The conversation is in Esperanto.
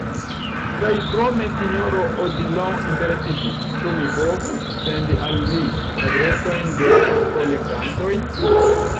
Kaj krome Sinjoro Odilon interesiĝis, ĉu mi povus sendi al li adresojn de kolektantoj.